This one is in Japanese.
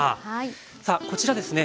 さあこちらですね